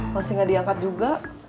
masih gak diangkat juga